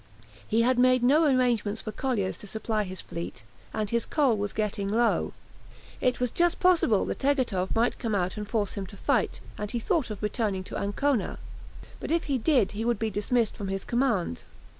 He had made no arrangements for colliers to supply his fleet, and his coal was getting low. It was just possible that Tegethoff might come out and force him to fight, and he thought of returning to Ancona. But if he did he would be dismissed from his command.